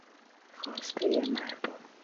خواستهی مردم